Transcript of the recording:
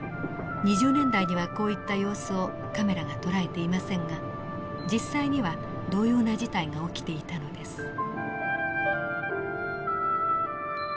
２０年代にはこういった様子をカメラがとらえていませんが実際には同様な事態が起きていたのです。